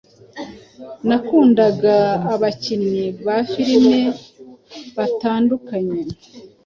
nakundaga abakinnyi ba filimi batandukanye